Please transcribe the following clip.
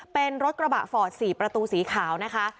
เป็นรถกระบะฟอร์ด๔ประตูสีขาวนะคะ